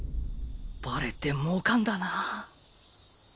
バレエってもうかんだな。